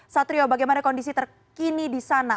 satrio bagaimana kondisi terkini di sana